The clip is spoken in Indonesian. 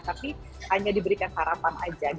tapi hanya diberikan harapan aja